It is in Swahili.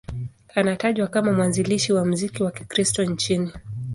Anatajwa kama mwanzilishi wa muziki wa Kikristo nchini.